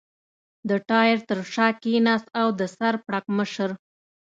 د ټایر تر شا کېناست او د سر پړکمشر.